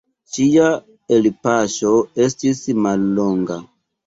Ŝia elpaŝo estis mallonga.